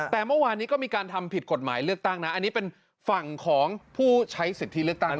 แต่เมื่อวานนี้ก็มีการทำผิดกฎหมายเลือกตั้งนะอันนี้เป็นฝั่งของผู้ใช้สิทธิเลือกตั้ง